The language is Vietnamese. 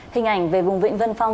hình ảnh về vùng vịnh vân phong